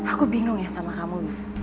aku bingung ya sama kamu